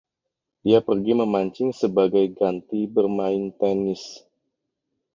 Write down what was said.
Dia pergi memancing sebagai ganti bermain tenis.